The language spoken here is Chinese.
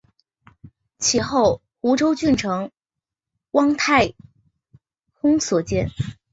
其后湖州郡丞汪泰亨所建。